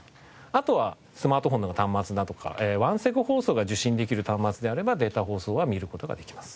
あとはスマートフォンなどの端末だとかワンセグ放送が受信できる端末であればデータ放送は見る事ができます。